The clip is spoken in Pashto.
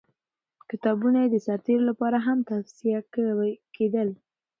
کتابونه یې د سرتېرو لپاره هم توصیه کېدل.